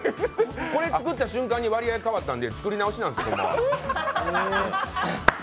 これ作った瞬間に割合変わったので、作り直しになるんですよ。